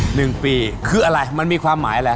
หนึ่งปีคืออะไรมันมีความหมายอะไร